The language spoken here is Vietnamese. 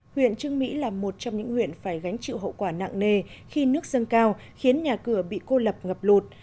huyện trưng mỹ là một trong những huyện phải gánh chịu hậu quả nặng nề khi nước dâng cao khiến nhà cửa bị cô lập ngập lụt